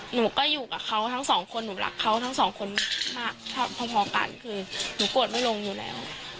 หนูก็อยู่กับเขาทั้งสองคนหนูรักเขาทั้งสองคนมาก